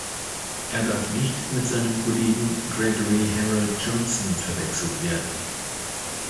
Er darf nicht mit seinem Kollegen Gregory Harold Johnson verwechselt werden.